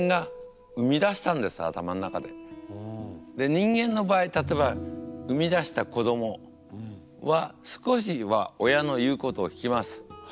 人間の場合例えば生み出した子供は少しは親の言うことを聞きます。